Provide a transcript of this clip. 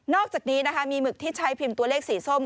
อกจากนี้นะคะมีหมึกที่ใช้พิมพ์ตัวเลขสีส้ม